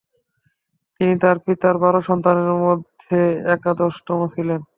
তিনি তার পিতার বারো সন্তানের মধ্যে একাদশতম ছিলেন।